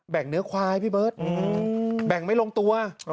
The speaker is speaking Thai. เนื้อควายพี่เบิร์ตแบ่งไม่ลงตัว